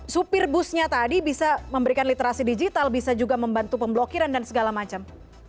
supir busnya tadi bisa memberikan literasi digital bisa juga membantu pemblokiran dan segala macam